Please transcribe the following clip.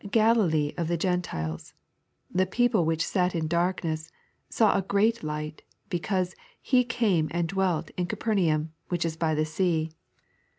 Galilee of the Gentiles—" the people which sat in darkness" — saw a great Light, because "He came and dwelt in Capernaum, which is by the sea."